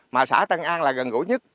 mà xã tân an là gần gũi nhất